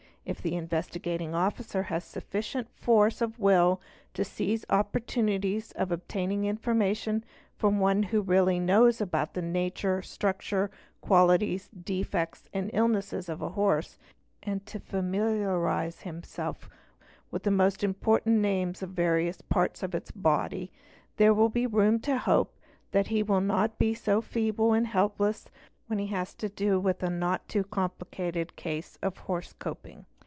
If the Investigating Officer has sufficient force of will to seize opportunities of obtaining information from one who really knows about the nature, structure, qualities, defects, and illnesses of a horse and to familiarise himself with the most important names of the yarious parts of its body, there will be room to hope that he will not be so feeble and helpless when he has to do with a not too complicated 'case of horse coping.